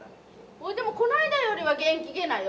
ほいでもこの間よりは元気げなよ。